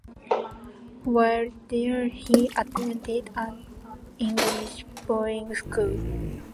While there he attended an English boarding school.